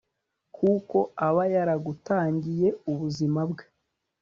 kuko aba yaragutangiye ubuzima bwe